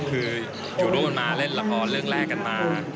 คืออยู่ด้วยกันมาเล่นละครเรื่องแรกกันมา